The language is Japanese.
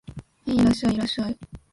へい、いらっしゃい、いらっしゃい